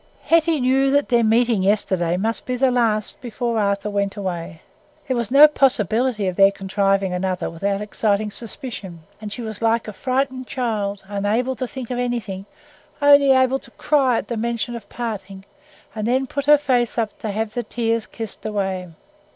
Hetty knew that their meeting yesterday must be the last before Arthur went away—there was no possibility of their contriving another without exciting suspicion—and she was like a frightened child, unable to think of anything, only able to cry at the mention of parting, and then put her face up to have the tears kissed away.